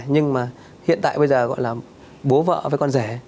nhưng mà hiện tại bây giờ gọi là bố vợ với con rể